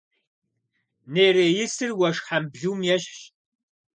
Нереисыр уэшх хьэмбылум ещхьщ.